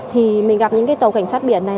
thì mình gặp những cái tàu cảnh sát biển này